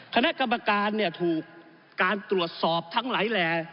คณะกรรมการถูกการตรวจสอบทั้งหลายแหล่